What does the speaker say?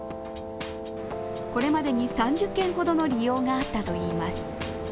これまでに３０件ほどの利用があったといいます。